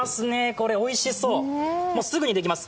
これおいしそう、すぐにできます。